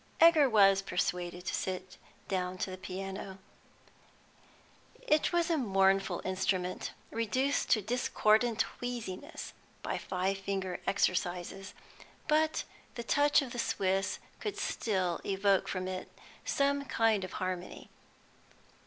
Egger was persuaded to sit down to the piano. It was a mournful instrument, reduced to discordant wheeziness by five finger exercises, but the touch of the Swiss could still evoke from it some kind of harmony.